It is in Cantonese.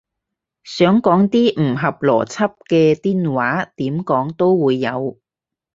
想講啲唔合邏輯嘅癲話，點講都會有